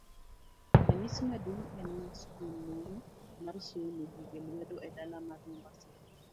Ranyisi maduong' en mar skul moro mar somo gige lwedo e dala mar Mombasa.